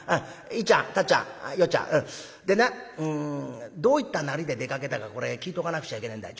いっちゃんたっちゃんよっちゃんでなどういったなりで出かけたかこれ聞いとかなくちゃいけねえんだ。